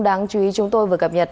đáng chú ý chúng tôi vừa cập nhật